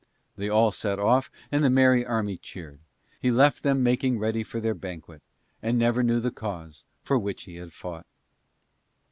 They all set off and the merry army cheered. He left them making ready for their banquet, and never knew the cause for which he had fought.